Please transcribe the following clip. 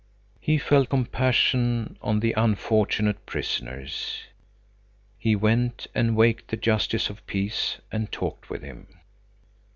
He felt compassion on the unfortunate prisoners. He went and waked the justice of the peace, and talked with him.